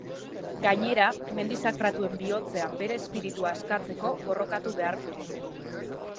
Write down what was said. Gainera, Mendi Sakratuen bihotzean bere espiritua askatzeko borrokatu beharko du.